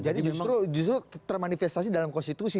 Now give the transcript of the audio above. jadi justru termanifestasi dalam konstitusi